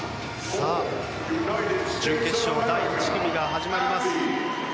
さあ、準決勝の第１組が始まります。